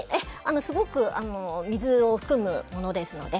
すごく水を含むものですので。